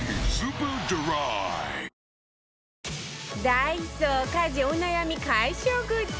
ダイソー家事お悩み解消グッズ